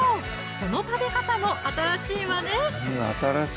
その食べ方も新しいわね